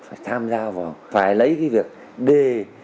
phải tham gia vào phải lấy cái việc đề